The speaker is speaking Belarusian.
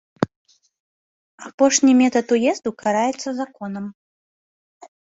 Апошні метад уезду караецца законам.